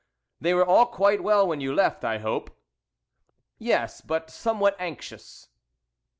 "They were all quite well when you left, I hope?" "Yes, but somewhat anxious."